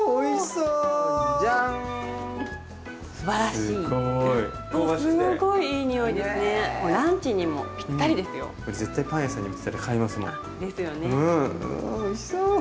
うわおいしそ！